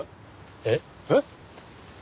えっ？えっ？